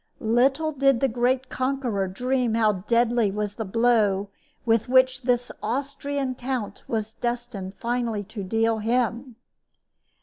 Little did the great conqueror dream how deadly was the blow which this Austrian count was destined finally to deal him!